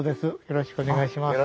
よろしくお願いします。